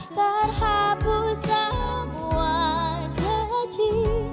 terhapus semua janji